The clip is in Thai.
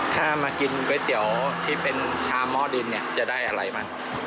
แต่ถ้าใครสั่งก๋วยเตี๋ยวโอ่งก็คือจะมี๑ชามที่เด็ดเลยนะ